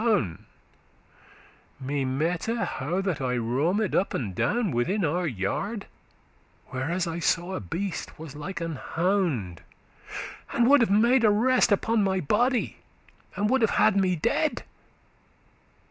*Me mette,* how that I roamed up and down *I dreamed* Within our yard, where as I saw a beast Was like an hound, and would have *made arrest* *siezed* Upon my body, and would have had me dead.